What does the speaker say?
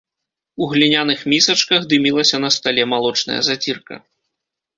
У гліняных місачках дымілася на стале малочная зацірка.